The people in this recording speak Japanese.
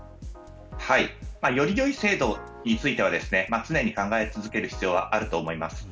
よりよい制度については常に考え続ける必要があると思います。